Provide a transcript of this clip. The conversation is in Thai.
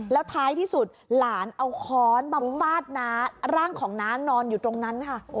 แล้วท้ายที่สุดหลานเอาค้อนมาฟาดน้าร่างของน้านอนอยู่ตรงนั้นค่ะ